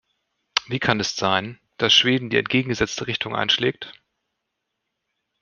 Wie kann es sein, dass Schweden die entgegengesetzte Richtung einschlägt?